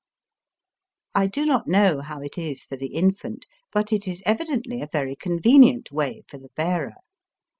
I do not know how it is for the infant, but it is evidently a very convenient way for the bearer.